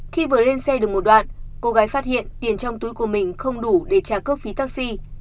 khi vừa lên xe được một đoạn cô gái phát hiện tiền trong túi của mình không đủ để trả cước phí taxi